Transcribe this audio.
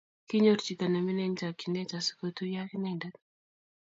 Kinyor chito nemining eng chakchinet asigotuiyo ak inendet